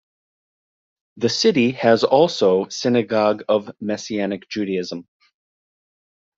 The city has also synagogue of Messianic Judaism.